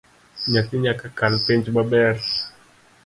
Nyathi nyaka kal penj maber